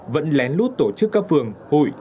vẫn lén lút tổ chức các phường hội